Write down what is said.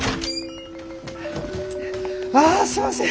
あすいません。